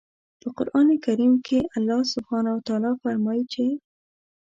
په قرآن کریم کې الله سبحانه وتعالی فرمايي چې